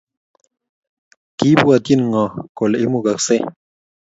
Kibwatyini ngo kole imugaskei?